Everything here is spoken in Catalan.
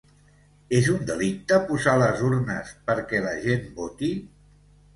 És un delicte posar les urnes perquè la gent voti?